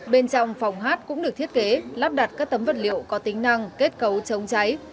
bên trong phòng hát cũng được thiết kế lắp đặt các tấm vật liệu có tính năng kết cấu chống cháy